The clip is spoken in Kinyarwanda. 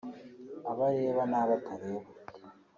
abo areba n’abo atareba